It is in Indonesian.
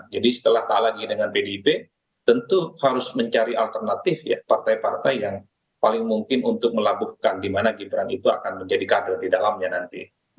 jadi setelah tak lagi dengan bdip tentu harus mencari alternatif partai partai yang paling mungkin untuk melabuhkan di mana gibran itu akan menjadi kader di dalamnya nanti